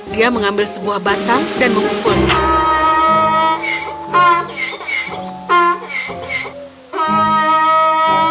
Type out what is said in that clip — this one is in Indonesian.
dia mengambil sebuah batang dan mengumpulkan